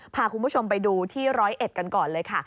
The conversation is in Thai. พาคุณผู้ชมไปดูที่ร้อยเอ็ดกันก่อนเลยค่ะ